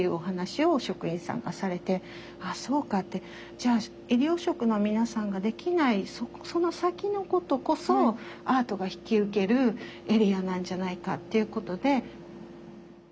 じゃあ医療職の皆さんができないその先のことこそアートが引き受けるエリアなんじゃないかっていうことで。